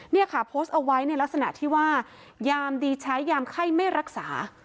เนี่ยค่ะโพสต์เอาไว้ในลักษณะที่ว่ายามดีใช้ยามไข้ไม่รักษา